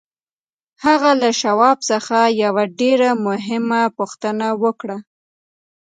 هغه له شواب څخه یوه ډېره مهمه پوښتنه وکړه